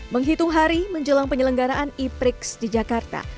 menghitung hari menjelang penyelenggaraan e prix di jakarta